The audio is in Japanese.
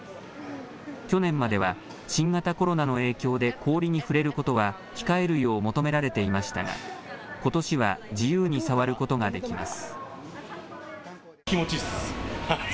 去年までは新型コロナの影響で氷に触れることは控えるよう求められていましたがことしは自由に触ることができます。